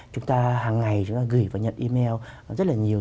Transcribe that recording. chúng ta hàng ngày chúng ta gửi và nhận email rất là nhiều